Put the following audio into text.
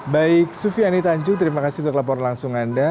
baik sufiani tanjung terima kasih sudah kelaporan langsung anda